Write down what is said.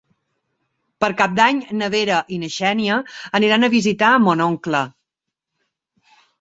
Per Cap d'Any na Vera i na Xènia aniran a visitar mon oncle.